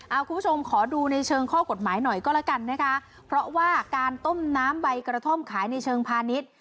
เอาคุณผู้ชมขอดูในเชิงข้อกฎหมายหน่อยก็แล้วกันนะคะเพราะว่าการต้มน้ำใบกระท่อมขายในเชิงพาณิชย์